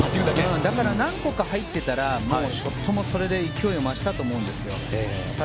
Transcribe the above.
だから、何個か入ってたらショットもそれで勢いを増したと思うんです。